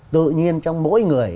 tự nhiên trong mỗi người